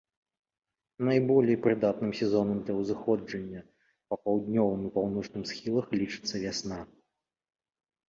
Найболей прыдатным сезонам для ўзыходжання па паўднёвым і паўночным схілах лічыцца вясна.